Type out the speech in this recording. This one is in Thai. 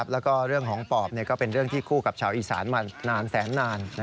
แล้วก็เรื่องของปอบก็เป็นเรื่องที่คู่กับชาวอีสานมานานแสนนาน